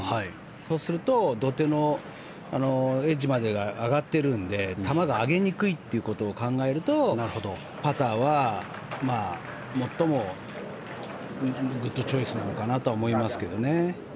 そうすると、土手のエッジまでが上がってるので球が上げにくいっていうことを考えるとパターは最もグッドチョイスなのかなと思いますけどね。